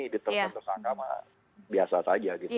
dan terus anggama biasa saja